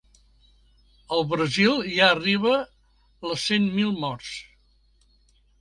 El Brasil ja arriba les cent mil morts.